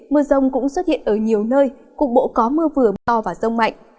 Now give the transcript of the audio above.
mưa rông cũng xuất hiện ở nhiều nơi cục bộ có mưa vừa mưa to và rông mạnh